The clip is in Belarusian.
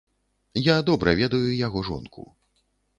Я добра ведаю яго жонку.